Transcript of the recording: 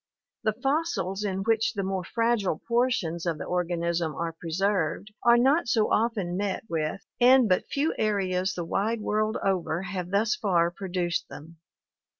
The fossils in which the more fragile portions of the organism are preserved are not so often met with and but few areas the wide world over have thus far produced them.